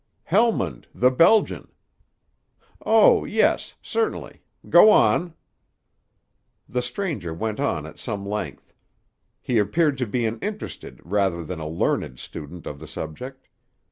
"Helmund, the Belgian." "Oh, yes, certainly. Go on!" The stranger went on at some length. He appeared to be an interested rather than a learned student of the subject.